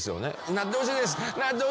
「なってほしいです」